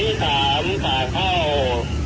นี่เลยครับ